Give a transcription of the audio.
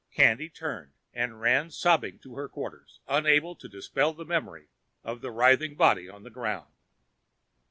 Candy turned and ran sobbing to her quarters, unable to dispel the memory of the writhing body on the ground.